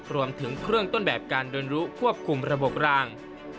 รวมถึงเครื่องต้นแบบการโดนรู้ควบคุมระบบราง